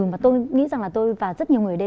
mà tôi nghĩ rằng là tôi và rất nhiều người ở đây